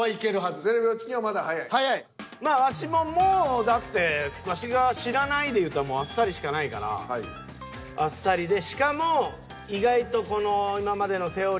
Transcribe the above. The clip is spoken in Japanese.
まあワシももうだってワシが知らないでいうともうあっさりしかないからあっさりでしかも意外とこの。